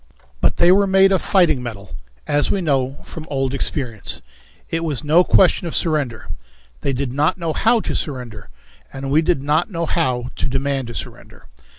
But they were made of fighting metal, as we knew from old experience. It was no question of surrender. They did not know how to surrender, and we did not know how to demand a surrender.